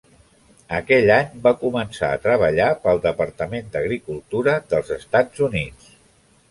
Aquell any, va començar a treballar pel Departament d'Agricultura dels Estats Units.